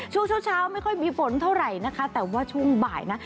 ช่วงเช้าเช้าไม่ค่อยมีฝนเท่าไหร่นะคะแต่ว่าช่วงบ่ายนะ